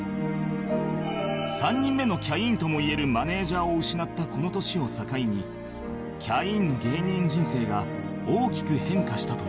３人目のキャインともいえるマネジャーを失ったこの年を境にキャインの芸人人生が大きく変化したという